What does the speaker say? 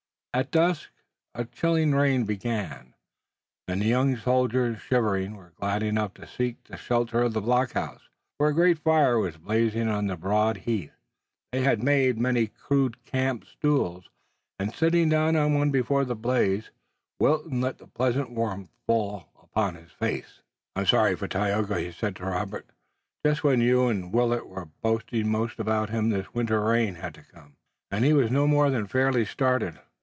At dusk a chilling rain began, and the young soldiers, shivering, were glad enough to seek the shelter of the blockhouse, where a great fire was blazing on the broad hearth. They had made many rude camp stools and sitting down on one before the blaze Wilton let the pleasant warmth fall upon his face. "I'm sorry for Tayoga," he said to Robert. "Just when you and Willet were boasting most about him this winter rain had to come and he was no more than fairly started.